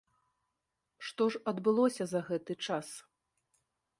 Што ж адбылося за гэты час?